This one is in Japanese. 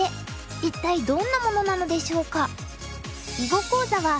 一体どんなものなのでしょうか？